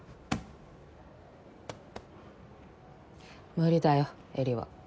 無理だよ絵里は。